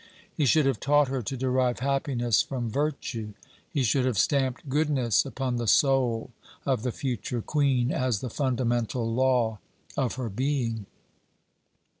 He should have taught her to derive happiness from virtue. He should have stamped goodness upon the soul of the future Queen as the fundamental law of her being.